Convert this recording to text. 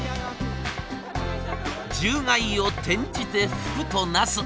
獣害を転じて福となす。